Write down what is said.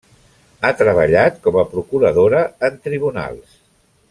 Ha treballat com a procuradora en Tribunals.